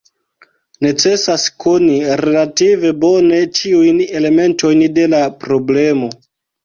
Necesas koni relative bone ĉiujn elementojn de la problemo.